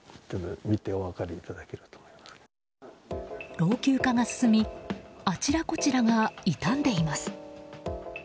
老朽化が進みあちらこちらが傷んでいます。